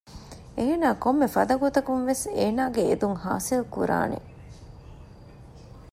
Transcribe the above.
އޭނާ ކޮންމެފަދަ ގޮތަކުންވެސް އޭނާގެ އެދުން ހާސިލްކުރާނެ